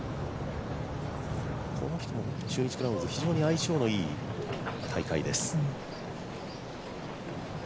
この人も中日クラウンズ非常に相性のいい大会です。